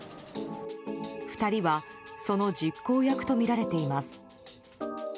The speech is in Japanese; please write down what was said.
２人はその実行役とみられています。